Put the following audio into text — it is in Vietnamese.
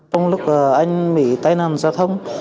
trong lúc anh bị tai nằm xa thông